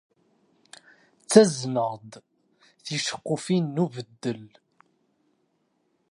Ttaznen-aɣ-d ticeqqufin n ubeddel.